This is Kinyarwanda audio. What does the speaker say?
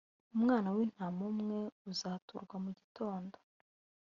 umwana w’intama umwe uzaturwa mu gitondo.